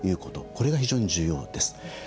これが非常に重要です。